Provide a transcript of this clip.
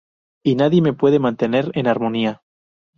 Y nadie me puede mantener en armonía.